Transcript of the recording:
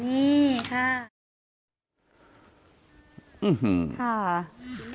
จีน่าอยู่ไหนคะอยู่นี่ค่ะ